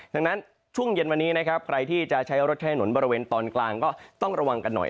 ดังนั้นช่วงเย็นวันนี้นะครับใครที่จะใช้รถใช้หนุนบริเวณตอนกลางก็ต้องระวังกันหน่อย